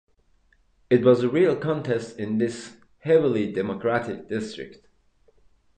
It was the real contest in this heavily Democratic district.